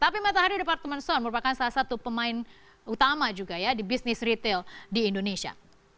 tapi matahari departemen sound merupakan salah satu pemain utama juga ya di bisnis retail di indonesia